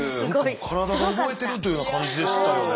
体が覚えてるというような感じでしたよね。